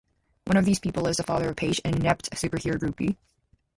One of these people is the father of Page, an inept superhero groupie.